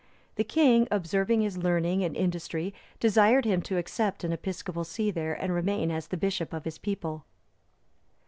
The king, observing his learning and industry, desired him to accept an episcopal see there and remain as the bishop of his people.